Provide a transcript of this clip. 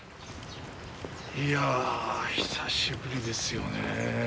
いやぁ、久しぶりですよねぇ。